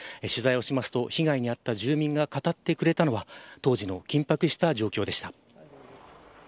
取材をしますと被害に遭った住民が語ってくれたのは当時の緊迫した状況でした。